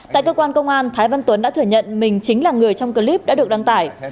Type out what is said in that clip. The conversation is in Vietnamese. tại cơ quan công an thái văn tuấn đã thừa nhận mình chính là người trong clip đã được đăng tải